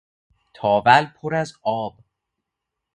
تاول پر از آب